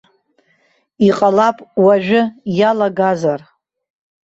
Иҟалап уажәы иалагазар.